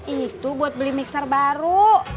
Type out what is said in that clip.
itu buat beli mixer baru